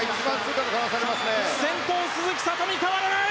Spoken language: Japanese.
先頭は鈴木聡美、変わらない！